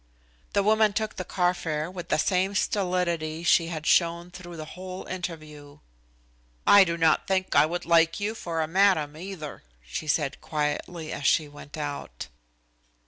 The woman took the car fare with the same stolidity she had shown through the whole interview. "I do not think I would like you for a madam, either," she said quietly as she went out.